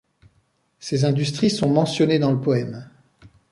Ces industries sont mentionnées dans le poème.